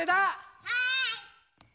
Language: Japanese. はい！